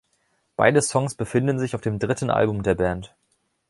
Beide Songs befinden sich auf dem dritten Album der Band.